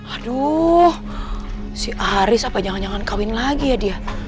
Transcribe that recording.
aduh si aris apa jangan jangan kawin lagi ya dia